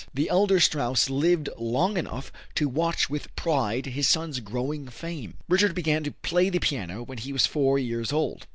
The elder Strauss lived long enough to watch with pride his son's growing fame. Richard began to play the piano when he was four years old.